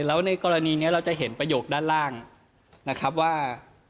แล้วในกรณีนี้เราจะเห็นประโยคด้านล่างนะครับว่า